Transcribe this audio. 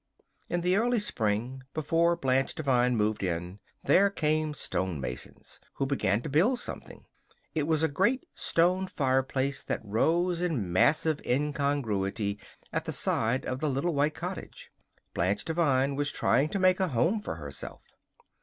In the early spring, before Blanche Devine moved in, there came stone masons, who began to build something. It was a great stone fireplace that rose in massive incongruity at the side of the little white cottage. Blanche Devine was trying to make a home for herself.